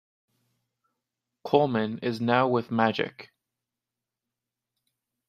Colman is now with Magic.